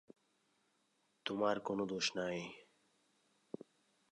তােমার কোন দোষ নাই।